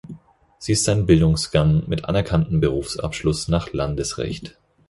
Sie ist ein Bildungsgang mit anerkanntem Berufsabschluss nach Landesrecht.